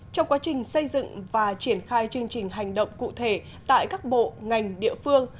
trong quá trình xây dựng và triển khai chương trình hành động cụ thể tại các bộ ngành địa phương